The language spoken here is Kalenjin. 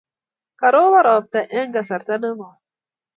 Karobon ropta eng' kasarta ne koi.